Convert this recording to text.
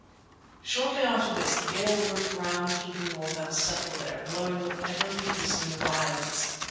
Shortly after this the gale worked round to the north and settled there, blowing with ever increasing violence.